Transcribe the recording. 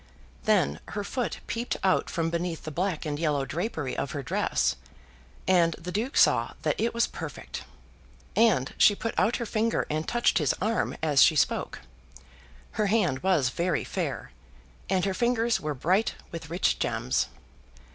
Then her foot peeped out from beneath the black and yellow drapery of her dress, and the Duke saw that it was perfect. And she put out her finger and touched his arm as she spoke. Her hand was very fair, and her fingers were bright with rich gems.